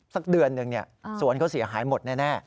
สักเดือนหนึ่งสวนเขาเสียหายหมดแน่